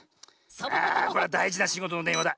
あこれはだいじなしごとのでんわだ。